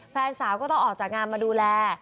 แฟนสาวก็ต้องออกจากงานมาดูแล